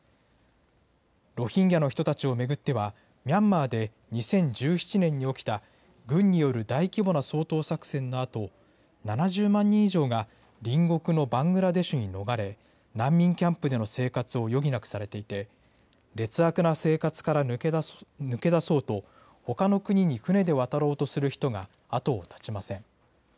ロヒンギャの人たちを巡っては、ミャンマーで２０１７年に起きた軍による大規模な掃討作戦のあと、７０万人以上が隣国のバングラデシュに逃れ、難民キャンプでの生活を余儀なくされていて、劣悪な生活から抜け出そうと、ほかの国に船で渡ろうとする人が後を絶ちません。